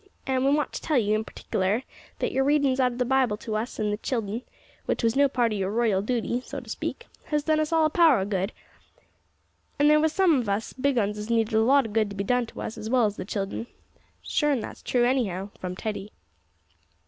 An' we want to tell you, in partikler, that your readin's out of the Bible to us an' the child'n which was no part o' your royal dooty, so to speak has done us all a power o' good, an' there was some of us big uns as needed a lot o' good to be done us, as well as the child'n " ("Sure an' that's true, annyhow!" from Teddy).